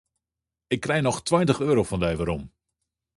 Ik krij noch tweintich euro fan dy werom.